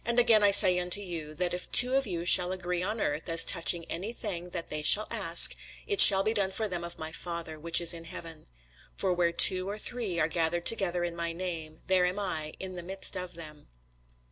Again I say unto you, That if two of you shall agree on earth as touching any thing that they shall ask, it shall be done for them of my Father which is in heaven. For where two or three are gathered together in my name, there am I in the midst of them.